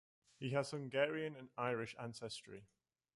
He has Hungarian and Irish ancestry.